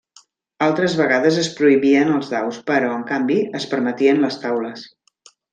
Altres vegades es prohibien els daus, però, en canvi, es permetien les taules.